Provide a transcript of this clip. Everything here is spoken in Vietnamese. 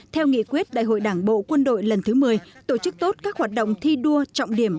theo nghị quyết đại hội đảng bộ quân đội lần thứ một mươi tổ chức tốt các hoạt động thi đua trọng điểm